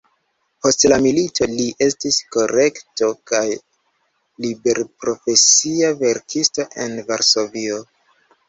Post la milito li estis lektoro kaj liberprofesia verkisto en Varsovio.